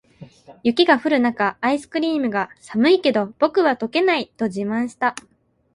雪が降る中、アイスクリームが「寒いけど、僕は溶けない！」と自慢した。